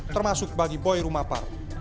termasuk bagi boy rumah park